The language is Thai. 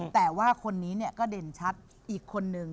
แต่ว่าคนนี้ก็เด่นชัดอีกคนนึง